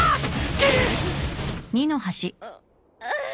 くっ！